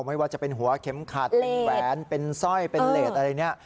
ไม่ว่าจะเป็นหัวเข็มขัดแหวนซ่อยเล็ดอะไรนี้